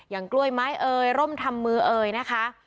กล้วยไม้เอ่ยร่มทำมือเอ่ยนะคะ